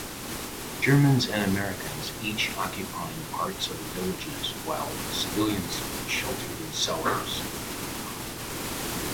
Germans and Americans each occupying parts of the villages while civilians sheltered in cellars.